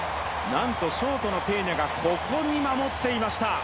なんとショートのペーニャがここに守っていました。